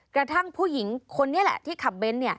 กระทั่งผู้หญิงคนนี้แหละที่ขับเบนท์